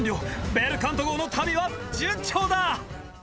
ベルカント号の旅は順調だ！